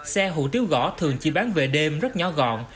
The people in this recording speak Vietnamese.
xe hủ tiếu gõ thường chỉ bán về đêm rất nhỏ gọn